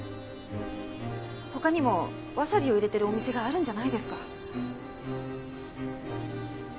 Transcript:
他にもわさびを入れてるお店があるんじゃないですか？